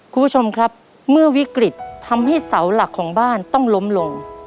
คุณผู้ชมครับเมื่อวิกฤตทำให้เสาหลักของบ้านต้องล้มลง